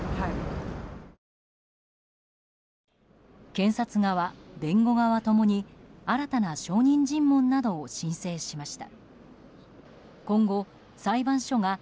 検察側・弁護側共に、新たな証人尋問などを申請しました。